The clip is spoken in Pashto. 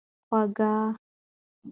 خواږه